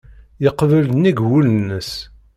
Yeqbel nnig wul-nnes.